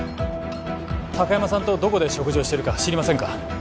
高山さんとどこで食事をしてるか知りませんか？